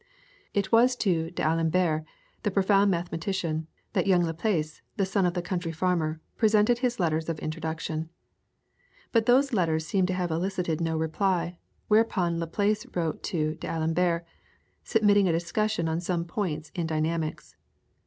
It was to D'Alembert, the profound mathematician, that young Laplace, the son of the country farmer, presented his letters of introduction. But those letters seem to have elicited no reply, whereupon Laplace wrote to D'Alembert submitting a discussion on some point in Dynamics.